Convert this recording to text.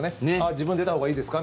自分、出たほうがいいですか？